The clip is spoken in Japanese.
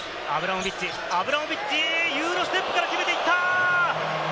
アブラモビッチ、ユーロステップから決めていった！